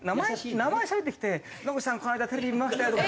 名前しゃべってきて野口さんこの間テレビ見ましたよとか。